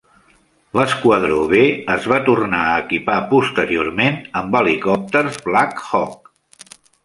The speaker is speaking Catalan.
L'esquadró "B" es va tornar a equipar posteriorment amb helicòpters Black Hawk.